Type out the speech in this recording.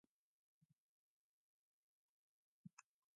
There is also North Crawley Cricket Club and North Crawley Bowls Club.